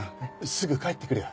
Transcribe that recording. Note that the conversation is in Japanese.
すぐ帰ってくるよ。